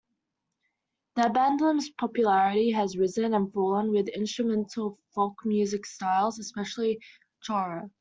The bandolim's popularity has risen and fallen with instrumental folk music styles, especially choro.